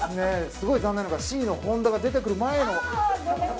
すごい残念なのがＣの本田が出てくる前の。